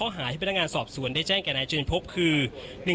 หาที่พนักงานสอบสวนได้แจ้งแก่นายเจนพบคือ